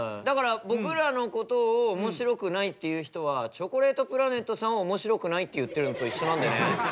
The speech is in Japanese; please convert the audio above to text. だから僕らのことを「おもしろくない」って言う人はチョコレートプラネットさんを「おもしろくない」って言ってるのと一緒なんでね。